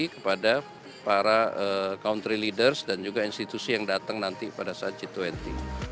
kepada para country leaders dan juga institusi yang datang nanti pada saat g dua puluh